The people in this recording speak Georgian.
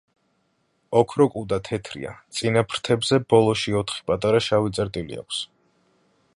ოქროკუდა თეთრია, წინა ფრთებზე ბოლოში ოთხი პატარა შავი წერტილი აქვს.